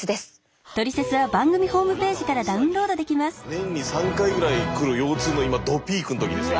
年に３回ぐらい来る腰痛の今どピークの時ですよ